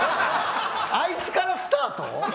あいつからスタート。